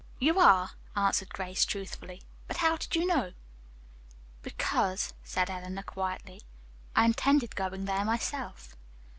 "You are," answered Grace truthfully. "But how did you know?" "Because," said Eleanor quietly, "I intended going there myself."